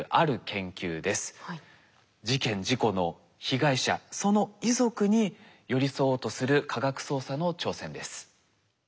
事件事故の被害者その遺族に寄り添おうとする科学捜査の挑戦です。